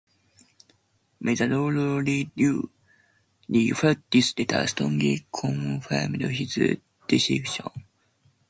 May the Lord lead you. Lee felt this letter strongly confirmed his decision.